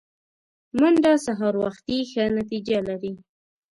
منډه سهار وختي ښه نتیجه لري